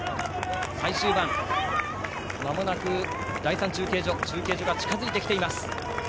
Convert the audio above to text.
最終盤、まもなく第３中継所が近づいてきています。